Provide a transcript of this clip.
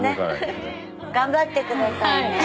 頑張ってくださいね。